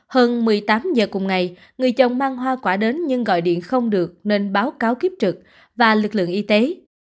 hơn một mươi tám giờ cùng ngày người chồng mang hoa quả đến nhưng gọi điện không được nên báo cáo kiếp trực và lực lượng y tế